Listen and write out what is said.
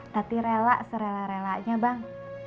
tapi rela serela relanya bang